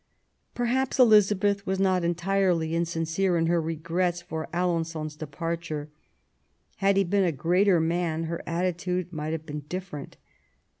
Perhaps Elizabeth was not entirely insincere in her regrets for Alen9on's departure. Had he been a greater man her attitude might have been different.